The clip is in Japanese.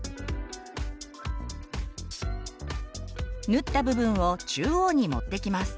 縫った部分を中央に持ってきます。